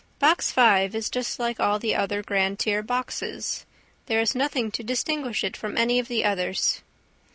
Box Five is just like all the other grand tier boxes. There is nothing to distinguish it from any of the others.